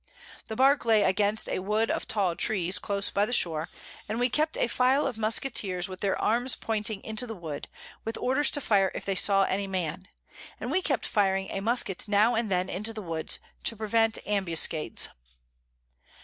The Bark lay against a Wood of tall Trees close by the Shore, and we kept a File of Musketeers with their Arms pointing into the Wood, with Orders to fire if they saw any Men; and we kept firing a Musket now and then into the Woods, to prevent Ambuscades.